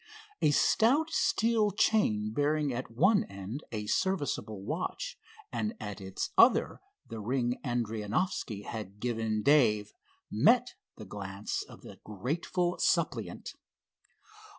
A stout steel chain bearing at one end a serviceable watch and at its other the ring Adrianoffski had given Dave, met the glance of the grateful suppliant.